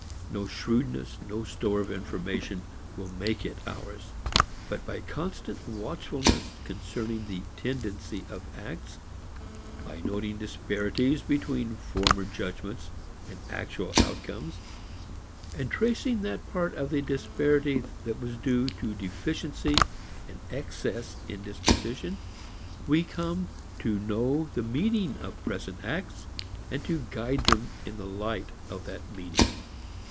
No shrewdness, no store of information will make it ours. But by constant watchfulness concerning the tendency of acts, by noting disparities between former judgments and actual outcomes, and tracing that part of the disparity that was due to deficiency and excess in disposition, we come to know the meaning of present acts, and to guide them in the light of that meaning.